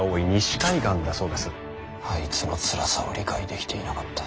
あいつのつらさを理解できていなかった。